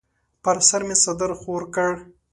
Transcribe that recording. پر سر مې څادر خور کړ.